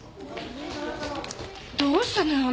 どうしたのよ